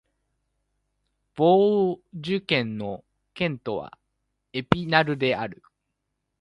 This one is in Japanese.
ヴォージュ県の県都はエピナルである